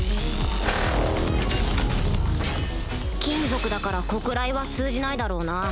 金属だから黒雷は通じないだろうな